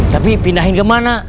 tapi pindahin kemana